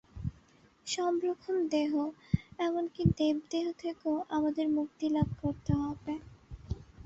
সব রকম দেহ, এমন-কি দেবদেহ থেকেও আমাদের মুক্তিলাভ করতে হবে।